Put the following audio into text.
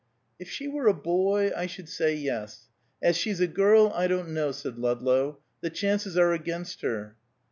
"If she were a boy, I should say yes; as she's a girl, I don't know," said Ludlow. "The chances are against her."